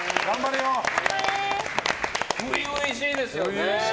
初々しいですよね。